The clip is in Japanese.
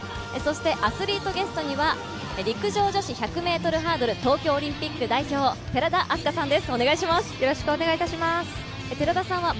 アスリートゲストには陸上女子１００ｍハードル東京オリンピック代表、寺田明日香さんです。